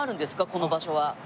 この場所は。